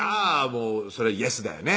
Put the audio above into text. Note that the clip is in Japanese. もうそりゃ「イエス」だよね